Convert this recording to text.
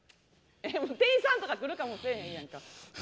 店員さんとか来るかもせえへんやんか。